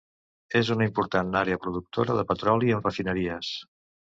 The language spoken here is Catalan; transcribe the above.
És una important àrea productora de petroli amb refineries.